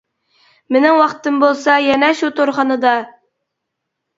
مىنىڭ ۋاقتىم بولسا يەنە شۇ تورخانىدا!